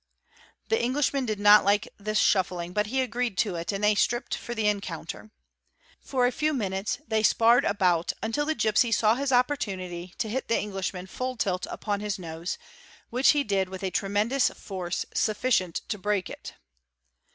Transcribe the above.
The Englishman did not like this shuffling, | but he agreed to it, and they stripped for the encounter. For a few minutes they sparred about until the gipsy saw his opportunity to hit the Englishman full tilt upon his nose, which he did with a tremendous — force sufficient to break it.